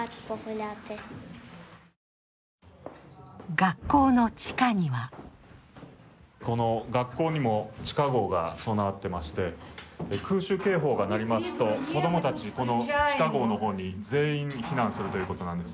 学校の地下にはこの学校にも地下ごうが備わっていまして、空襲警報が鳴りますと、子供たち、この地下ごうの方に全員避難するということなんです。